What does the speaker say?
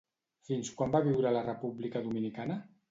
Fins quan va viure a la República Dominicana?